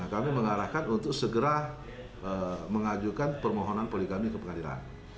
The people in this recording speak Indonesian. kami mengarahkan untuk segera mengajukan permohonan poligami ke pengadilan